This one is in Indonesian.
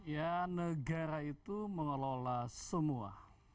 ya negara itu mengelola semua